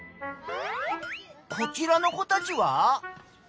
こちらの子たちは？